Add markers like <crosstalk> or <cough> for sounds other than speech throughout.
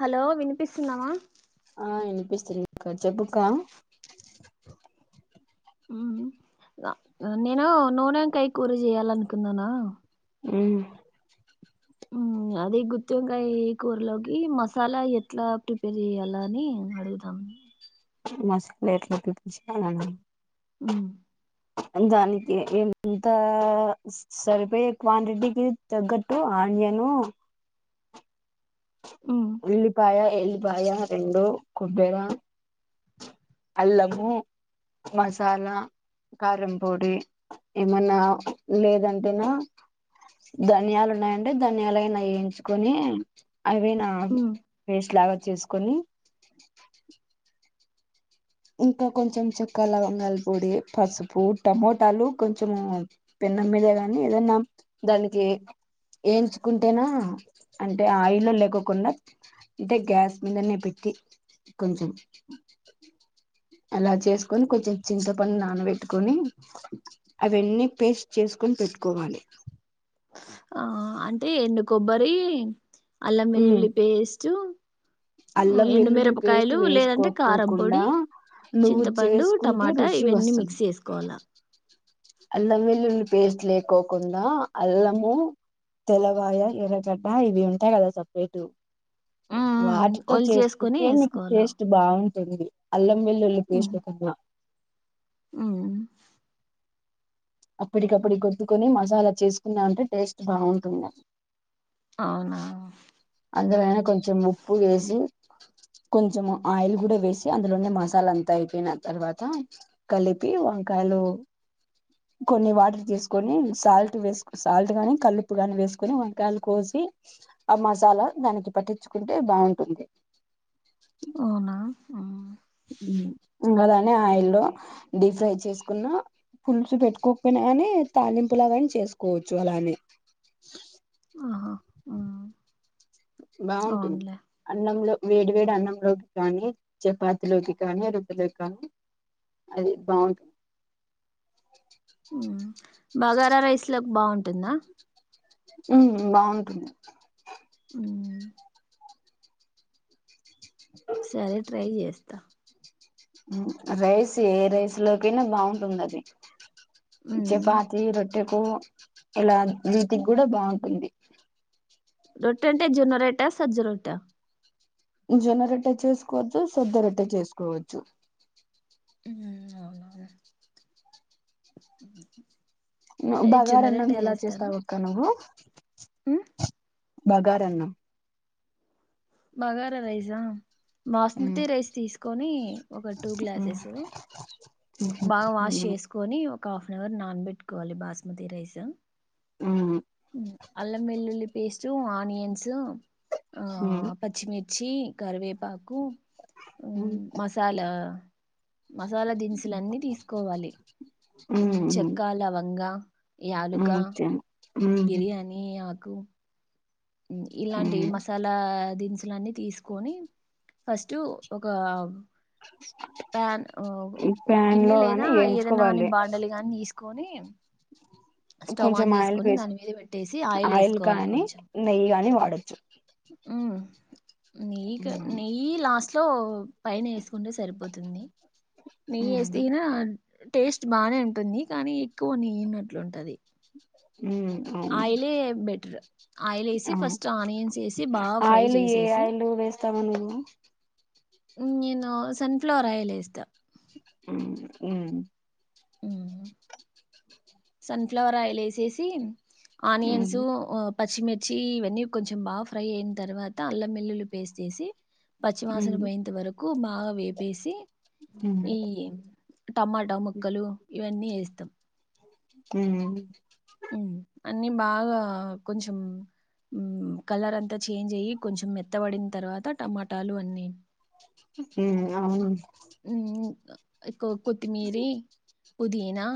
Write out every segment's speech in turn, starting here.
Hello వినిపిస్తున్నమా ఆ విన్పిస్తుంది అక్క చెప్పు క్క ఉమ్ నేను నూనొంకాయ కూర చేయాలన్కున్నానా ఊమ్ ఉ అదే గుత్తివంకాయ్ కూరలోకి మసాలా ఎట్లా ప్రిపేర్ చెయ్యాలా అని అడుగుదాం మస్ ప్లేట్లోకి <unintelligible> ఊం దానికి ఎంత స్ సరిపొయే క్వాంటిటీకి తగ్గట్టు అన్యను ఉల్లిపాయ ఎల్లిపాయ రెండు కొబ్బెర అల్లము మసాల కారం పొడి ఏమన్నా లేదంటేనా ధన్యాలున్నయంటె ధన్యలయినా ఏయించుకొని అవి నా పేస్ట్ లాగ చేసుకొని ఇంక కొంచం చెక్క లవంగాల్ పొడి పసుపు టమాటాలు కొంచము పె నమ్మేదే గాని ఏదన్న దానికి ఏంచుకుంటేన అంటే ఆయిల్లో లేకకున్న అంటె గ్యాస్ మీదనే పెట్టి కొంచం అల చేస్కొని కొంచెం చింతపండు నానవెట్టుకొని అవెన్నీ పేస్ట్ చే స్కొన్ పెట్టుకోవాలి ఆ అంటే ఎండు కొబ్బరీ ఉమ్ అల్లమెల్లుల్లి పేస్టూ ఉ అల్లం ఎండు వెల్లుల్లి పేస్ట్ మిరపకాయలు లేదంటే కారం వేసుకోకోకుండా పొడి నువ్వు చింతపండు చేసుకుంటే టమాటా రుచి ఇవి అన్ని మిక్స్ వస్తుంది చేస్కోవాల అల్లం వెల్లుల్లి పేస్ట్ లేకోకుండా అల్లము తెల్లగాయ ఎర్రగడ్డ ఇవి ఉంటాయ్ గదా సప్రేటు వాటితో ఒలి చేసుకొని చేస్కుంటే నీకు వేసుకోవాలా టేస్ట్ బాగుంటది అల్లం వెల్లుల్లి పేస్ట్ ఊం అప్పటికప్పుడి కొత్తుకొని మసాలా చేస్కున్నా అంటే టేస్ట్ బాగుంటుంద ఔనా అందులనే కొంచం ఉప్పు ఎసి కొంచం ఆయిల్ గుడ వేసి అందులోనే మసాలంతా అయ్పోయ్న తర్వాత కలిపి కాయలో కొన్ని వాటర్ తీస్కొని సాల్ట్ వేస్కో సాల్ట్ గాని కళ్ళుప్పు గాని వేస్కొని వంకాల్ కోసి ఇ ఆ మసాలా దానికి పట్టించ్చుకుంటే బాగుంటుంది ఔనా ఆ ఊ ఉంగ దాన్ని ఆయిల్లో డీప్ ఫ్రై చేస్కున్నా పుల్సు పెట్టుకోకపోయిన గనీ తాలింపులాగైన చేస్కోచ్చు అలానీ ఆహ అ బాగుంటుంది అన్నంలొ వేడి వేడి అన్నంలోకి కానీ, చపాతిలోకి కానీ, రొట్టెలోకి కానీ అది బాగుంట్ ఉమ్ బగార రైస్లోక్ బాగుంటుందా ఉమ్ బాగుంటుంది ఉమ్మ్ సరే ట్రై చేస్తా రైస్ ఏ రైస్ లోకైనా బాగుంటుంది అది ఉమ్. చపాతి రొట్టెకు ఇలా వీటికి కూడా బాగుంటుంది రొట్టఅంటే జొన్న రోట్ట సజ్జ రొట్ట జొన్న రొట్టె చేసుకోవచ్చు సజ్జ రొట్టె చేసుకోవచ్చు ఉమ్ అవునవును ను అదే జొన్న బగారన్నం ఎలా చేస్తావక్కా నువ్వు మ్ బగారన్నం బగార రైసా బాస్మతి ఉమ్ రైస్ తీసుకొని ఒక టూ గ్లాసెస్ బాగా వాష్ ప్యాన్ చేసుకొని ఒక హాఫ్అన్అవర్ నానబెట్టుకోవాలి బాస్మతి రైస్. ఉమ్ అల్లం వెల్లుల్లి పేస్ట్ ఆనియన్స్ హమ్ మిర్చీ కరివేపాకు ఉమ్ మసాలా మసాలా దినుసులన్నీ తీసుకోవాలి. ఉమ్ చెక్కా లవంగా యాలుకా ఉమ్ బిర్యానీ ఆకు ఉమ్ ఇలాంటి మసాలా దిన్స్ లని తీసుకొని ఫస్ట్ ఒక ప్యాన్ ఓ ఒక గిన్నె లో లేదా గాని ఏదైనా కాని వేయించుకోవాలి బాండలి కాని తీసుకొని స్టవ్ కొంచెం ఆన్ ఆయిల్ చేసుకొని వేసి దాని మీద పెట్టేసి ఆయిల్ వేసుకోవాలి కానీ నెయ్యి కానీ వాడొచ్చు. ఉమ్ నెయ్యి క నెయ్యి లాస్ట్ లో పైన వేసుకుంటే సరిపో పోతుంది నెయ్యి వేస్తేగిన టేస్ట్ బానే ఉంటుంది కానీ ఎక్కువ నెయ్యినట్లుంటది. ఊమ్ హ్ బెటర్ ఆయిల్ వేసి ఉమ్ ఫస్ట్ ఆనియన్స్ వేసి బాగా ఫ్రై ఆయ ఏ ఆయిలు వేస్తావ నువ్వు ఉమ్ నేను సన్ఫ్లవర్ ఆయిల్ వేస్తా ఉమ్ ఉమ్ మ్మ్. సన్ఫ్లవర్ ఆయిల్ వేసేసి ఆనియన్స్ పచ్చిమిర్చి ఇవన్నీ కొంచెం బాగా ఫ్రై అయిన తర్వాత అల్లం వెల్లుళ్ళి పేస్ట్ వేసి పచ్చివాసన ఉమ్ పోయేంత వరకు బాగా వేపేసి ఉమ్ ఈ టమాటా ముక్కలు ఇవన్నీ ఏస్తం. ఉమ్ ఉమ్ అన్ని బాగా కొంచెం ఉమ్ కలర్ అంతా చేంజ్ అయ్యి కొంచెం మెత్తబడిన్ తర్వాత టమాటాలు అన్ని హమ్ అవును ఉమ్ ఉ కొ కొత్తిమీరి పుదీనా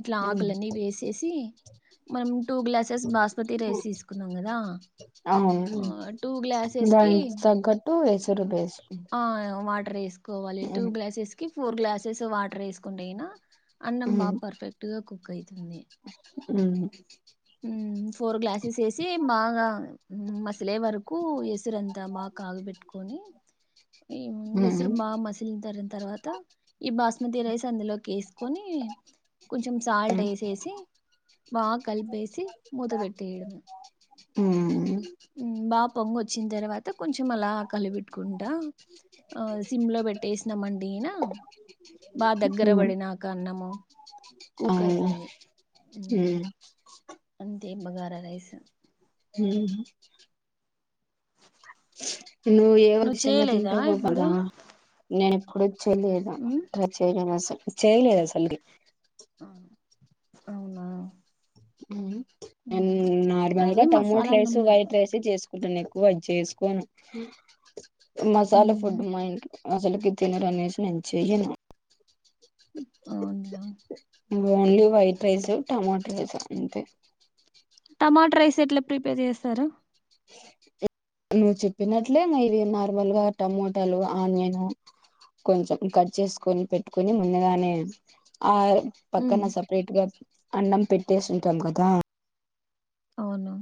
ఇట్లా ఉమ్ ఆకులన్నీ వేసేసి మనం టూ గ్లాసెస్ బాస్మతి రైస్ తీసుకున్నాం కదా అవును దానికి తగ్గట్టు ఎసరు వేసు రేస్కో టూ గ్లాసెస్ కి ఫోర్ గ్లాసెస్ వాటర్ ఏసుకుంటే గినా అన్నం ఉమ్ బాగా పర్ఫెక్ట్ గా కుక్ అయితుంది. ఉమ్ ఉమ్ ఫోర్ గ్లాసెస్ ఏసి మాగా మ ఇసలే వరకు ఎసురంతా మా కాగబెట్టుకొని ఈ మ్ ఉమ్ ఎసురు బాగా మసిలిన తర తర్వాత ఈ బాస్మతి రైస్ అందులోకి ఏస్ కొని కొంచెం సాల్ట్ ఉమ్ వేసిసి బాగా కలిపి ఉమ్ మ్మ్ బాగా పొంగు వచ్చిన తర్వాత కొంచం అలా కలిపెట్టుకుంటా ఆ సిమ్ లో పెట్టేసినమండి. యిన బాగా దగ్గర బడి నాక అన్నము ఆ కుక్ అవుతుంది అంతే బగారా రైస్ ఉమ్ నువ్ ఏవన్ నువ్వు ఇష్టంగ చేయలేదా తింటావు ఇప్పుడు నేను ఎప్పుడు చేలేద మ్మ్ స చేయలేదు అసల్ చేయలేదు అసలుకి అవునా నైన్ ఉహు. అదే నార్మల్గా టమోట మసాలా అన్నం రైస్ లాగా వైట్ రైసీ చ సుకుంటాను ఎక్కువ అది చేసుకోను మసాలా ఫుడ్ మా ఇం అసలుకి తినరా అనేసి నెంచేయను అవునా only white rice tomato rice అంతే టమాటా రైస్ ఎట్లా ప్రిపేర్ జేస్తారు నువ్వు చెప్పినట్లే ఇవి నార్మల్ గా టమోటాలు ఆనియన్ కొంచెం కట్ చేసుకొని పెట్టుకొని ముందుగానే ఆ ఉమ్, పక్కన సపరేట్ గా అన్నం పెట్టేస్తుంటాం గదా అవును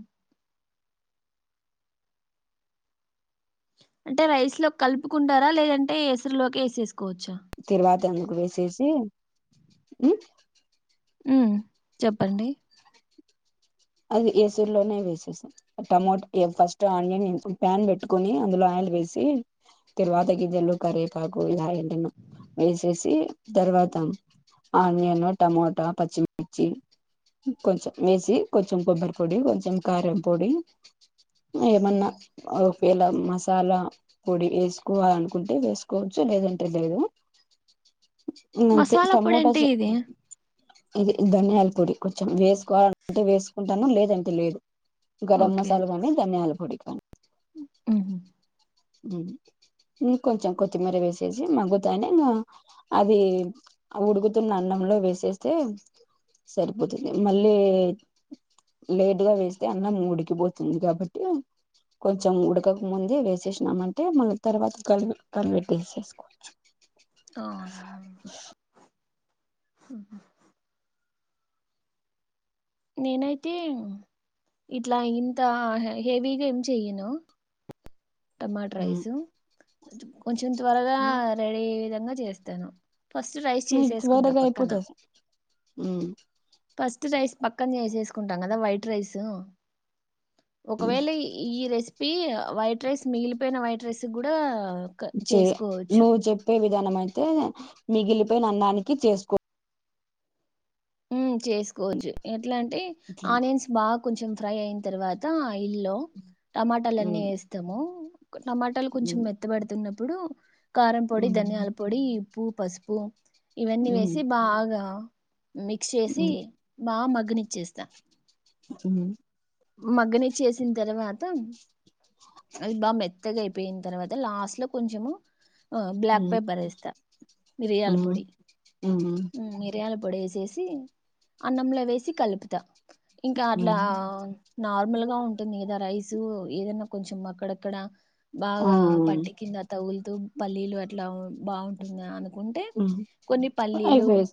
అంటే రైస్ లో కలుపుకుంటారా లేదంటే ఎసరులోకి వేసేసుకోవచ్చు తెరువాత లుగు వేసేసి ఉమ్ చెప్పండి అది ఏసురులోనే వేసేసయ్ టమోట ఫస్ట్ ఆనియన్ ప ప్యాన్ పెట్టుకని అందులో ఆని వేసి తరువాత గిజలు కర్వేపాకు ఇలా ఏదైన వేసేసి తర్వాత ఆనియన్ టమోటా పచ్చిమిర్చి కొంచెం వేసి కొంచెం కొబ్బరి పొడి కొంచెం కారం పొడి ఏమన్నా ఒకేలా మసాలా పొడి వేసుకోవాలి అనుకుంటే వేసుకోవచ్చు లేదంటే లేదు అంతే మసాలా పొడి టమోటస్ అంటే ఇది ఇది ధనియాల పొడి కొంచెం వేసుకోవాలంటే వేసుకుంటాను లేదంటే లేదు గరం మసాలా గాని ధనియల పొడి క ఉహ్ ఉహ్ ఇంకొంచెం కొత్తిమీర వేసేసి మగ్గుతానే అ అది ఉడుకుతున్న అన్నం లో వేసేస్తే సరిపోతుంది మళ్లి లేట్గా వేస్తే అన్నం ఉడికిపోతుంది కాబట్టి కొంచెం ఉడకక ముందే వేసేష్ నామంటే మళ్లి తర్వాత కలిపి కలిపిటేసుకోవచ్చు అవునా నేనైతే ఇట్లా ఇంత హెవీగా ఏం చెయ్యను టమాటో రైస్ కొంచెం త్వరగా రెడీ అయ్యే విధంగా చేస్తను ఫస్ట్ రైస్ మీకు చేసేసుకుంటా త్వరగా పక్కన అయిపోతది ఉమ్ ఫస్ట్ రైస్ పక్కనే చేసేసుకుంటాం గదా వైట్ రైసు ఒకవేల ఈ రెసిపీ వైట్ రైస్ మిగిలిపోయిన వైట్ రైససు గూడా చే నువ్వు చెప్పే విధానం అయితే మిగిలిపోయిన అన్నానికి చేసుకో ఉమ్ చేసుకోవచ్చు ఎట్లా అంటే ఇట్లా ఆనియన్స్ బాగా కొంచెం ఫ్రై అయిన్ తర్వాత ఐల్లో టమాటాలన్ని ఉమ్ వేస్తాము టమాటాలు కొంచెం ఉమ్ మెత్తబడుతున్న ప్పుడు కారం పొడి ధనియాల ఉమ్ పొడి ఉప్పు పసుపు ఇవన్నీ వేసి బాగా మిక్స్ చేసి ఉమ్ బాగా మగ్గనిచ్చేస్తా ఉమ్ మగ్గనీ చేసిన్ తర్వాత అది బా మెత్తగైయిపోయిన్ తర్వాత లాస్ట్ లో కొంచము అహ్ బ్లాక్ ఉమ్ పెప్పర్ ఎస్తా మిరియాల ఉమ్ పొడి ఉమ్ ఉమ్ మ్ మిరియాల పొడి ఎసేసి సి అన్నంలో వేసి కలుపుత ఇంక అట్లా ఉమ్ నార్మల్ గా ఉంటుంది గదా రైసు ఏదన్న కొంచం అక్కడక్కడ ఆ బాగా పంటి కింద తగులుతూ పల్లీలు అట్లా బావుంటుంది అనుకుంటే ఉమ్ కొన్ని అవి పల్లీలు వేస్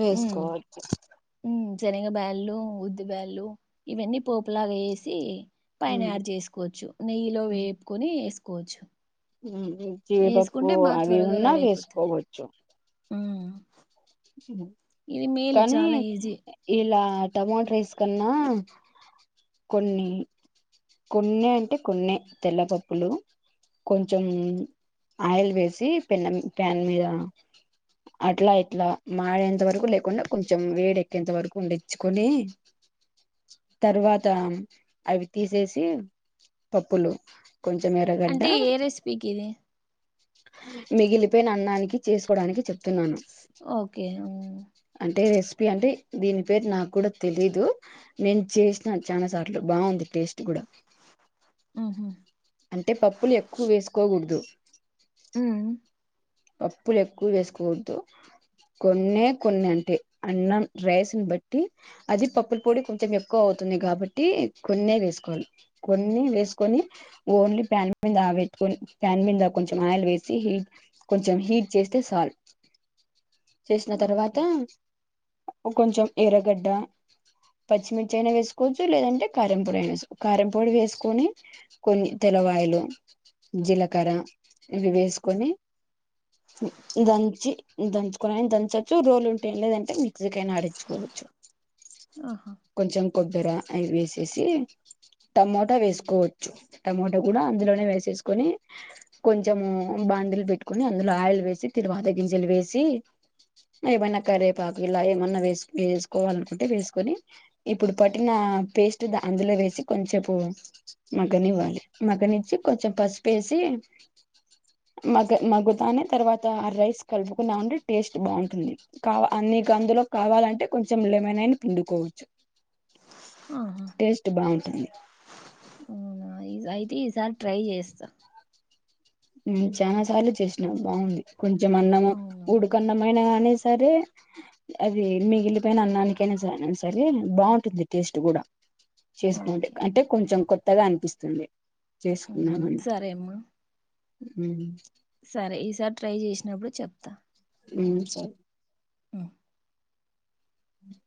వేసుకోవచ్చు మ్ శనగ బ్యళ్ళు ఉద్ది బ్యళ్ళు ఇవన్నీ పోపులాగా ఎసి పైన ఉమ్ ఆడ్ చేసుకోవచ్చు నెయ్యిలో వేపుకొని ఎసుకోవచ్చు మ్ జీడిపప్పు అవి త్వరగా ఉన్నా రెడీ అయిపోతది వేసుకోవచ్చు ఇది మేలు కనీ చాలా ఈజీ ఇలా టమాట రైస్ కన్నా కొన్ని కొన్నె అంటే కొనన్నె తెల్లపప్పులు కొంచెం ఆయిల్ వేసి పెన్నం ప్యాన్ మీద అట్లా ఇట్లా మాడేంత వరకు లేకుండ కొంచెం వేడెక్కేంత వరకు ఉండిచ్చుకొని తర్వాత అవి తీసేసి పప్పులు కొంచెం ఎరగడ్డ అంటే ఏ రెసిపీకి ఇది మిగిలిపోయిన అన్నానికి చేసుకోడానికి చెప్ స్ ఓకే ఉమ్ అంటే రెసిపీ అంటే దీని పేరు నాకుడా తెలీదు నేను చేశినా చానా సార్లు బ్ బావుంది టేస్ట్ గూడా ఆహా పప్పులు ఎక్కువ వేసుకోకూడదు మ్ పప్పులు ఎక్కువ వేసుకోవదు కొన్నే కొన్నంటే అన్నం రైస్ని బట్టి అది పప్పుల పొడి కొంచెం ఎక్కువ అవు తుంది గాబట్టి కొన్నె వేసుకోవాలి కొన్ని వేసుకొని ఓన్లీ ప్యాన్ మీద ఆవే తొని ప్యాన్ మీద కొంచెం ఆయిల్ వేసి హీట్ కొంచెం హీట్ చేస్తే సాల్ చేశిన తర్వాత ఓకే కొంచెం ఎర్రగడ్డ పచ్చిమిర్చి అయినా వేసుకోవచ్చు లేదంటే కారం పొడి అయినా వేసుకొ కారం పొడి వేసుకొని కొన్ని తర్ రవాయిలు జీలకర్ర ఇవి వేసుకొని దంచి దంచుకోనైన దంచొచ్చు రోలు ఉంటె లేదంటే మి క్సీకైనా ఆడించుకోవచ్చు ఆహా కొంచెం కొబ్బర అయి వేసేసి టమోటా వేసుకోవచ్చు టమోటా గూడా అందులోనే వేసేసుకొని కొంచెము బాండిల్ పెట్టుకొని అందులో ఆయిల్ వేసి తిరువాత గింజలు వేసి ఏవైనా కరేపాకు ఇలా ఏమన్నా వేసు వేసుకోవాలనుకుంటే వేసుకొని ఇప్పుడు పట్టిన పేస్ట్ ద అందులో వేసి కొంచేపు మగ్గన్నీవ్వాలి మగ్గన్నీచ్చి కొంచెం పసుపేస్ సి మగ్ త్ మగ్గుతానే తర్వాత ఆ రైస్ కలుపుకున్నావంటే టేస్ట్ బావుంటుంది కా అన్ని కందులో కా వాలంటే కొంచెం లెమనైన్ పిండుకోవచ్చు ఆహా టెస్ట్ బావుంటుంది అవునా ఈ అయితే ఈసారి ట్రై చేస్తా మ్ చానా సార్లు చేసినా బావుంది కొంచెం అన్నము అవునా ఉడు కన్నమైన గాని సరే అది మిగిలిపోయిన అన్నానికైనా సరే సరె బావుంటు ది టేస్ట్ గూడా చేసుకోంటే ఓకే అంటే కొంచెం కొత్తగా అనిపిస్తుంది చేసు మ్ సరే అమ్మా ఉమ్ సరే ఈసారి ట్రై చేశినప్పుడు చెప్త ఉమ్ సరే ఉమ్.